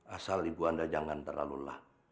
asal ibu anda jangan terlalu lelah